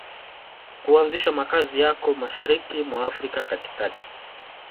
kuanzisha makazi yako Mashariki mwa Afrika katikati